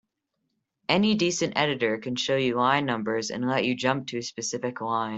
Any decent editor can show you line numbers and let you jump to a specific line.